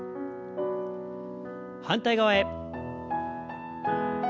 反対側へ。